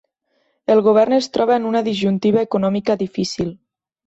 El govern es troba en una disjuntiva econòmica difícil.